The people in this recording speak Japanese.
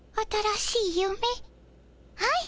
はい。